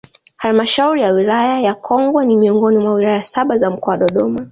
Halmashauriya Wilaya ya Kongwa ni miongoni mwa wilaya saba za mkoa wa Dodoma